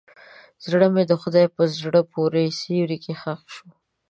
زړه مې د خندا په زړه پورې سیوري کې ښخ شو.